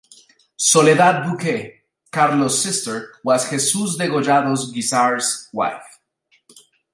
Soledad Bouquet, Carlos’ sister, was Jesús Degollado Guízar’s wife.